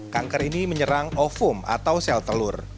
kanker ini menyerang ofum atau sel telur